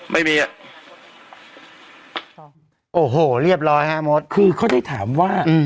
ไม่มีอ่ะโอ้โหเรียบร้อยฮะมดคือเขาได้ถามว่า